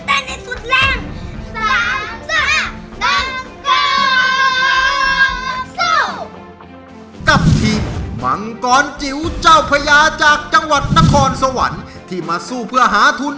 สู้กับทีมมังกรจิ๋วเจ้าใพยาจากจังหวัดนครสวรรค์ที่มาสู้เพื่อหาทุน